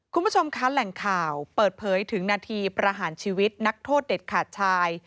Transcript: คุณผู้ชมคะแหล่งข่าวเปิดเผยถึงนาทีประหารชีวิตนักโทษเด็ดขาดชาย